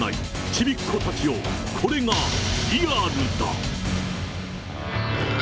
ちびっ子たちよ、これがリアルだ。